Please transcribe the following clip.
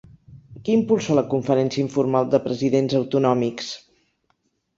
Qui impulsa la conferència informal de presidents autonòmics?